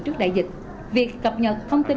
trước đại dịch việc cập nhật thông tin